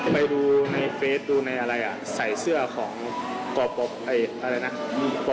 ประสอบภาค๔